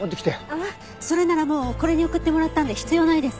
あっそれならもうこれに送ってもらったんで必要ないです。